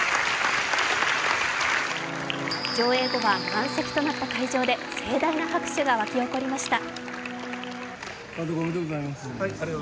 上演後は満席となった会場で盛大な拍手が湧き起こりました。